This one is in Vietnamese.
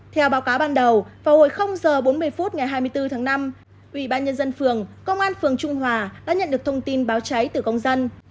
theo báo cáo ban đầu vào hồi h bốn mươi phút ngày hai mươi bốn tháng năm ubnd phường công an phường trung hòa đã nhận được thông tin báo cháy từ công dân